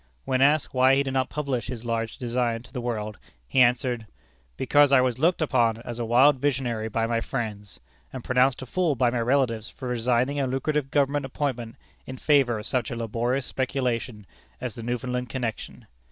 When asked why he did not publish his large design to the world, he answered: "Because I was looked upon as a wild visionary by my friends, and pronounced a fool by my relatives for resigning a lucrative government appointment in favor of such a laborious speculation as the Newfoundland connection.